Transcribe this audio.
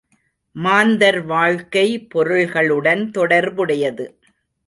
மாந்தர் வாழ்க்கை பொருள்களுடன் தொடர்புடையது.